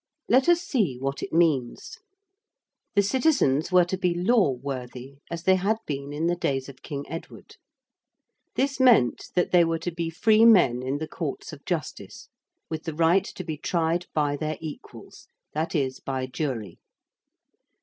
Let us see what it means. The citizens were to be 'law worthy' as they had been in the days of King Edward. This meant that they were to be free men in the courts of justice, with the right to be tried by their equals, that is, by jury.